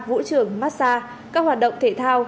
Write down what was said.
vũ trường massage các hoạt động thể thao